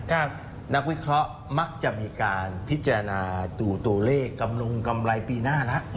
นักวิเคราะห์มักจะมีการพิจารณาดูตัวเลขกำนงกำไรปีหน้าแล้ว